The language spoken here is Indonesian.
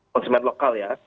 konsumen lokal ya